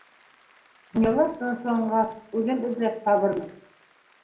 Донъялар тынысланғас, үҙем эҙләп табырмын.